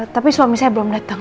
tapi suami saya belum datang